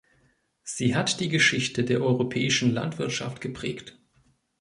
Sie hat die Geschichte der europäischen Landwirtschaft geprägt.